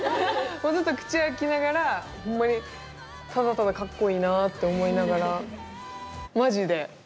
ずっと口開きながらほんまにただただかっこいいなって思いながら。